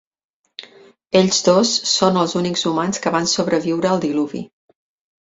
Ells dos són els únics humans que van sobreviure al diluvi.